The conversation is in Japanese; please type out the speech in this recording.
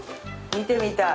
見てみたい。